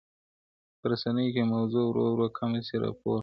په رسنيو کي موضوع ورو ورو کمه سي راپور-